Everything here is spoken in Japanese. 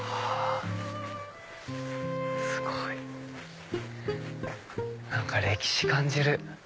すごい。何か歴史感じる！